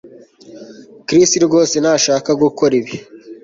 Chris rwose ntashaka gukora ibi